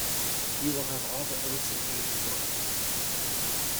You will have all the oats and hay you want.